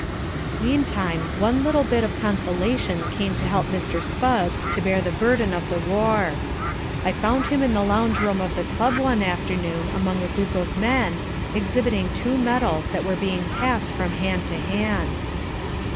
Meantime, one little bit of consolation came to help Mr. Spugg to bear the burden of the war. I found him in the lounge room of the club one afternoon among a group of men, exhibiting two medals that were being passed from hand to hand.